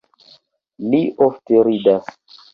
Li ofte ridas.